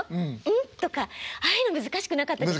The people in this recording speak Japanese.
「ん？」とかああいうの難しくなったですか？